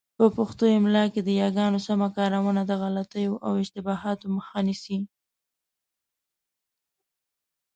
په پښتو املاء کي د یاګانو سمه کارونه د غلطیو او اشتباهاتو مخه نیسي.